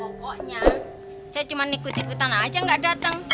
pokoknya saya cuma ikut ikutan aja nggak datang